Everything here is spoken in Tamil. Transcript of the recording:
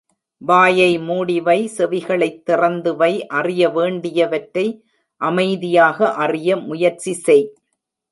வாயை மூடிவை செவிகளைத் திறந்துவை அறிய வேண்டியவற்றை அமைதியாக அறிய முயற்சி செய்.